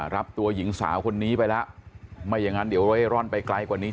รับตัวหญิงสาวคนนี้ไปแล้วไม่อย่างนั้นเดี๋ยวเร่ร่อนไปไกลกว่านี้